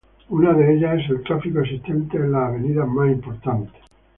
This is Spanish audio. Una de ellas, es el tráfico existente en las avenidas más importantes.